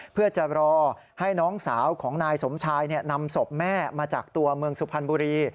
เพื่อจะรอให้น้องสาวของนายสมชายนำศพแม่มาจากตัวเมืองสุพรรณบุรี